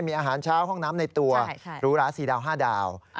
มีอาหารเช้าห้องน้ำในตัวหรูหรา๔ดาว๕ดาว